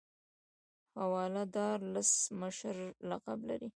حواله دار لس مشر لقب لري.